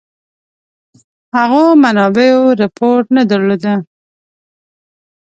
هغو منابعو رپوټ نه درلوده.